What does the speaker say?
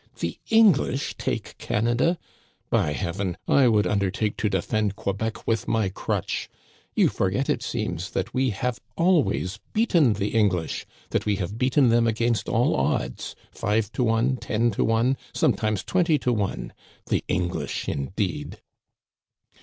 The English take Canada ! By heaven, I would undertake to defend Quebec with my crutch. You forget, it seems, that we have always beaten the English ; that we have beaten them against all odds — five to one — ten to one — some times twenty to one ! The English, indeed